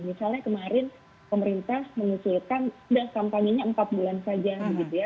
misalnya kemarin pemerintah menyulitkan sudah kampanye nya empat bulan saja gitu ya